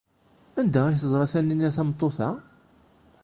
Anda ay teẓra Taninna tameṭṭut-a?